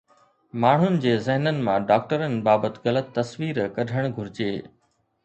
ماڻهن جي ذهنن مان ڊاڪٽرن بابت غلط تصوير ڪڍڻ گهرجي